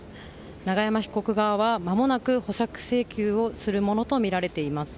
永山被告側はまもなく保釈請求をするものとみられています。